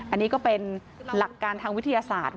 อันนี้ก็เป็นหลักการทางวิทยาศาสตร์